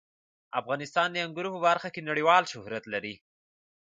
افغانستان د انګور په برخه کې نړیوال شهرت لري.